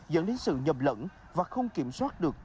dẫn đến sự nhầm lẫn và không kiểm soát được tốc độ